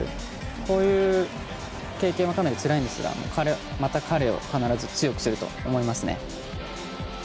こういう経験はかなりつらいんですがまた彼を必ず強くすると思いますね。